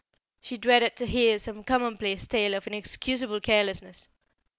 She dreaded to hear some commonplace tale of inexcusable carelessness.